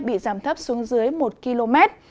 bị giảm thấp xuống dưới một km